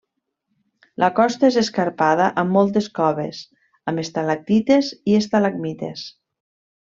La costa és escarpada amb moltes coves amb estalactites i estalagmites.